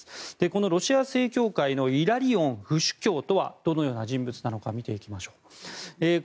このロシア正教会のイラリオン府主教とはどのような人物なのか見ていきましょう。